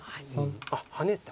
あっハネた。